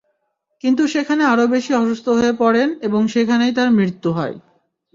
কিন্তু সেখানে আরও বেশি অসুস্থ হয়ে পড়েন এবং সেখানেই তাঁর মৃত্যু হয়।